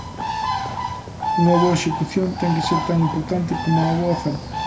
Unha boa execución ten que ser tan importante como unha boa oferta.